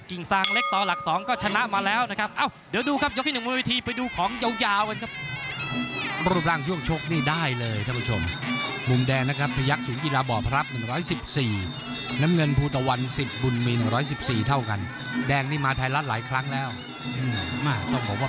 กาดซ้ายกาดขวาออกได้แบบธรรมชาติแล้วครับ